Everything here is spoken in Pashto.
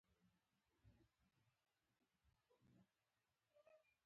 د پیاوړتیا پر لارو چارو خبرې کړې دي